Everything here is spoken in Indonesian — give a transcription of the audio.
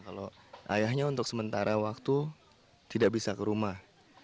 kalau ayahnya untuk sementara waktu tidak bisa ke rumah